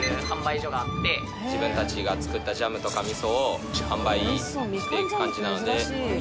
自分たちが作ったジャムとか味噌を販売していく感じなので。